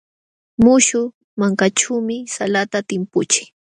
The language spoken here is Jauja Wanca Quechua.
Muśhuq mankaćhuumi salata timpuchii.